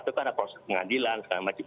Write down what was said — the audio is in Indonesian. itu kan ada proses pengadilan segala macam